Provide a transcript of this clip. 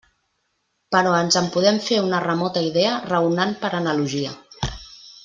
Però ens en podem fer una remota idea raonant per analogia.